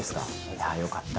いやあよかった。